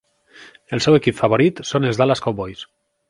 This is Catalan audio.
El seu equip favorit són els Dallas Cowboys.